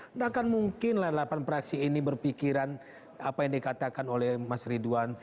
tidak akan mungkinlah delapan praksi ini berpikiran apa yang dikatakan oleh mas ridwan